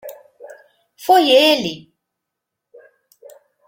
Foi ele